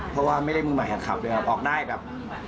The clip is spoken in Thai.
เพราะว่าไม่ได้มือใหม่แข่งขับด้วยครับออกได้แบบ